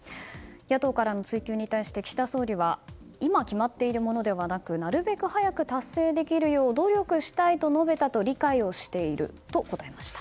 野党からの追及に対して岸田総理は今、決まっているものではなくなるべく早く達成できるよう努力したいと述べたと理解をしていると答えました。